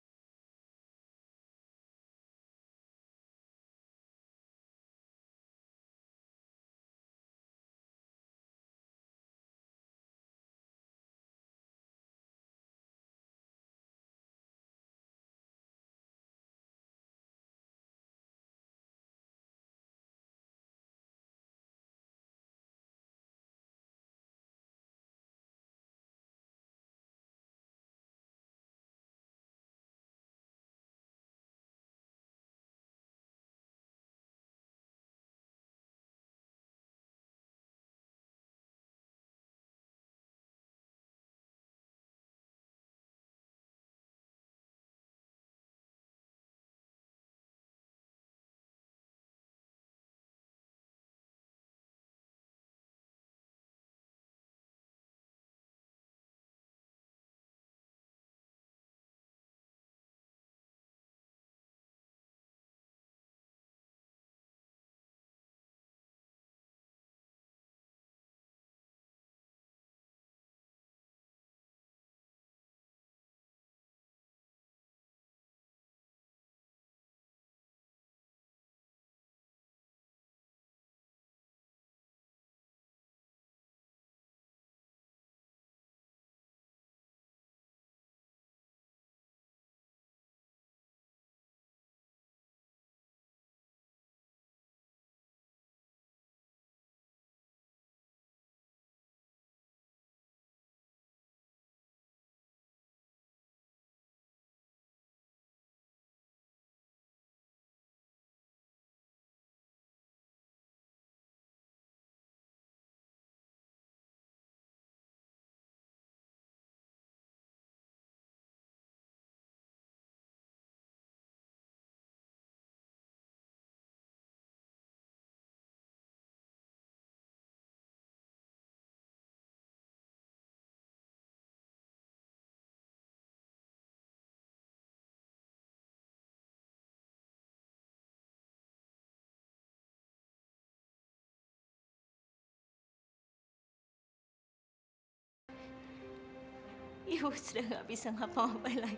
sekarang jatuhnya sudah bisa berjalan